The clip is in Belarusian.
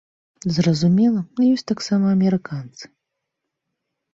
Зразумела, ёсць таксама амерыканцы.